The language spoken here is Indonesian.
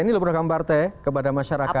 ini loh program partai kepada masyarakat